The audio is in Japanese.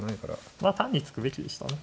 まあ単に突くべきでしたね。